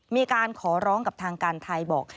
มีการขอร้องกับทางการไทยบอก